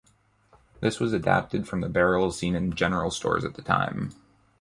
This was adapted from the barrels seen in general stores at the time.